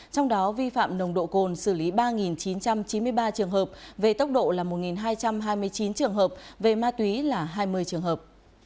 trong đó vi phạm nồng độ cồn xử lý ba chín trăm chín mươi ba trường hợp về tốc độ là một hai trăm hai mươi chín trường hợp về ma túy là hai mươi trường hợp